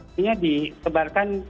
dan baru alatnya disebarkan